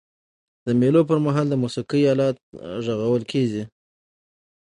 د مېلو پر مهال د موسیقۍ آلات ږغول کيږي.